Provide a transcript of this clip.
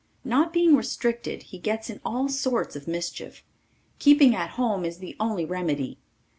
Not being restricted he gets in all sorts of mischief. Keeping at home is the only remedy.